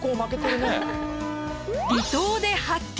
「離島で発見！